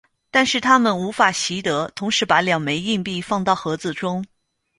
但是它们无法习得同时把两枚硬币放到盒子中。